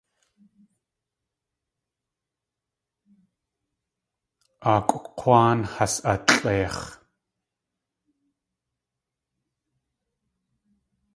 Áakʼw K̲wáan has alʼeix̲.